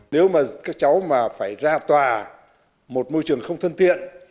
nếu mà các cháu mà phải ra tòa một môi trường không thân thiện